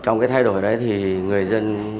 trong cái thay đổi đấy thì người dân